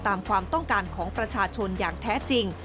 ตามความต้องการของประชาชนอย่างแท้จริง